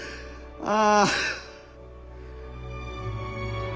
ああ。